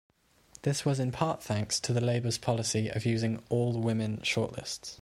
This was in part thanks to Labour's policy of using all-women shortlists.